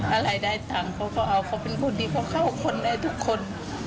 อะไรได้ตังค์เขาก็เอาเขาเป็นคนดีเขาเข้าคนได้ทุกคน